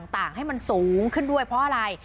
ต่างให้มันสูงขึ้นด้วยเพราะอะไร